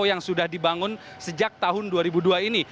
yang sudah dibangun sejak tahun dua ribu dua ini